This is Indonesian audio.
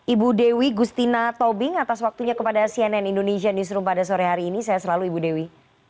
ibu dewi gustina tobing atas waktunya kepada cnn indonesia newsroom pada sore hari ini saya selalu ibu dewi